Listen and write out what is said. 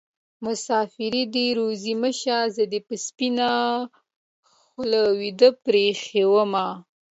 مسافري دې روزي مه شه زه دې په سپينه خولې ويده پرې ايښې ومه